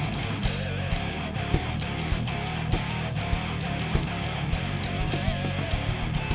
dan saya harap stadion baru ini